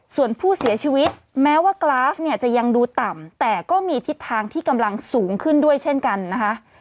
ส่วนผู้เสียชีวิตแม้ว่ากราฟเนี่ยจะยังดูต่ำแต่ก็มีทิศทางที่กำลังสูงขึ้นด้วยเช่นกันนะคะ